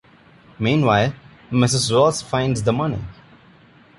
Meanwhile, Mrs. Ross finds the money.